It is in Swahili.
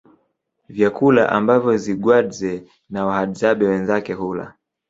Vyakula ambavyo Zigwadzee na Wahadzabe wenzake hula